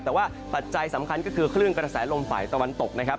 แต่ว่าปัจจัยสำคัญก็คือคลื่นกระแสลมฝ่ายตะวันตกนะครับ